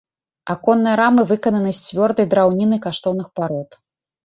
Аконныя рамы выкананы з цвёрдай драўніны каштоўных парод.